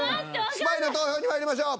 スパイの投票にまいりましょう。